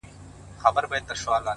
حوصله د سختو حالاتو رڼا ده’